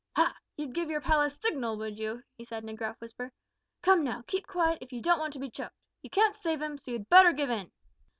"Ha! you'd give your pal a signal, would you?" he said, in a gruff whisper. "Come now, keep quiet if you don't want to be choked. You can't save 'im, so you'd better give in."